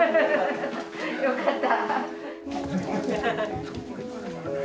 よかった。